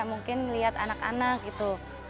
mungkin melihat anak anak gitu